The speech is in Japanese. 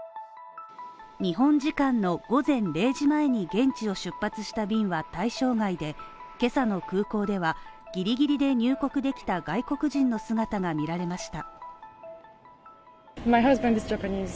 日本時間の午前０時前に現地を出発した便は対象外で、今朝の空港ではギリギリで入国できた外国人の姿が見られました。